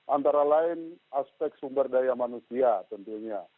antara lain aspek sumber daya manusia tentunya